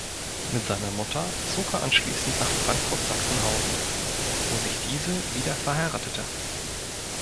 Mit seiner Mutter zog er anschließend nach Frankfurt-Sachsenhausen, wo sich diese wieder verheiratete.